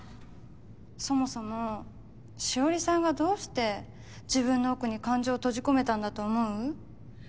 そもそも紫織さんがどうして自分の奥に感情を閉じ込めたんだと思う？